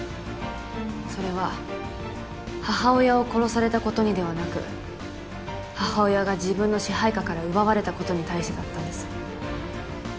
それは母親を殺されたことにではなく母親が自分の支配下から奪われたことに対してだったんです。